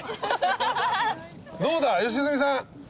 どうだ良純さん。